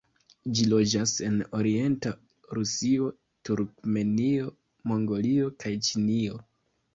Ĝi loĝas en orienta Rusio, Turkmenio, Mongolio kaj Ĉinio.